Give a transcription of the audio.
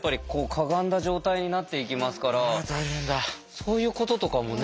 そういうこととかもね。